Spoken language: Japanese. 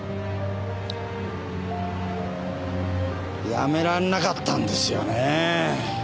やめられなかったんですよねぇ。